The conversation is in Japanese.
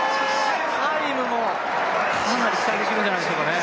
タイムもかなり期待できるんじゃないでしょうかね。